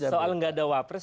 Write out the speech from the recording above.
soal nggak ada wapres